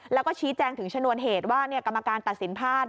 แล้วก็ชี้แจงถึงชนวนเหตุว่ากรรมการตัดสินพลาด